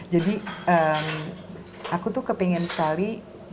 jadi aku tuh kepengen sekali